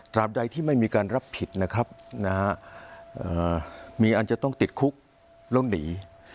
ใดที่ไม่มีการรับผิดนะครับมีอันจะต้องติดคุกแล้วหนี